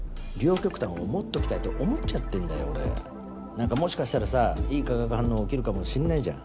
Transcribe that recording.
なんかもしかしたらさいい化学反応起きるかもしれないじゃん。